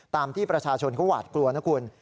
ตามที่ประชาชนเขาหวาดกลัวนะคุณ